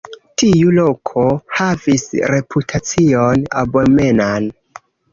Tiu loko havis reputacion abomenan.